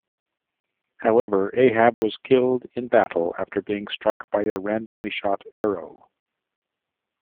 However, Ahab was killed in battle after being struck by a randomly shot arrow.